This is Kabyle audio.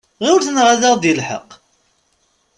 Ɣiflet neɣ ad ɣ-d-yelḥeq!